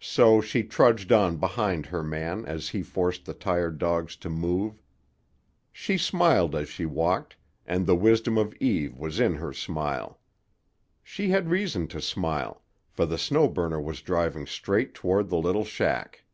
So she trudged on behind her man as he forced the tired dogs to move. She smiled as she walked, and the wisdom of Eve was in her smile. She had reason to smile, for the Snow Burner was driving straight toward the little shack.